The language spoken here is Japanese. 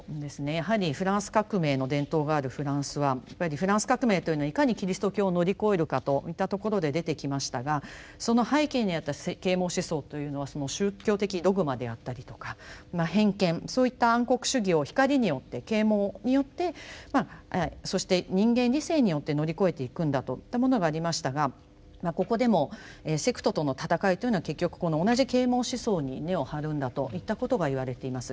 やはりフランス革命の伝統があるフランスはやっぱりフランス革命というのはいかにキリスト教を乗り越えるかといったところで出てきましたがその背景にあった啓蒙思想というのは宗教的ドグマであったりとか偏見そういった暗黒主義を光によって啓蒙によってそして人間理性によって乗り越えていくんだといったものがありましたがここでもセクトとのたたかいというのは結局この同じ啓蒙思想に根を張るんだといったことがいわれています。